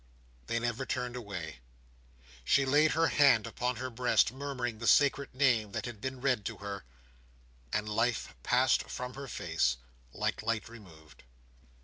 They never turned away. She laid her hand upon her breast, murmuring the sacred name that had been read to her; and life passed from her face, like light removed.